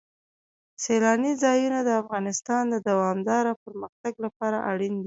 سیلانی ځایونه د افغانستان د دوامداره پرمختګ لپاره اړین دي.